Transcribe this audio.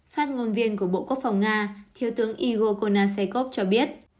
phát ngôn viên của bộ quốc phòng nga thiếu tướng igor konasekov cho biết